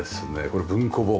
これ文庫本。